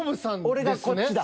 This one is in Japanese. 俺がこっちだ。